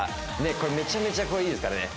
これめちゃめちゃ濃いですからね。